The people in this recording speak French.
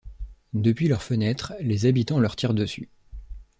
Depuis leurs fenêtres les habitants leurs tirent dessus.